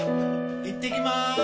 行ってきまーす！